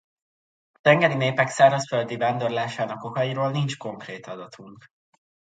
A tengeri népek szárazföldi vándorlásának okairól nincs konkrét adatunk.